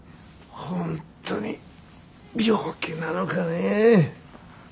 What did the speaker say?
本当に病気なのかねえ。